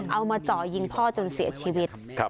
เอามาจ่อยิงพ่อจนเสียชีวิต